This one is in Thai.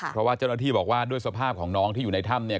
เพราะว่าเจ้าหน้าที่บอกว่าด้วยสภาพของน้องที่อยู่ในถ้ำเนี่ย